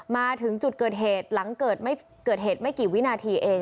มาถึงจุดเกิดเหตุหลังเกิดเหตุไม่กี่วินาทีเอง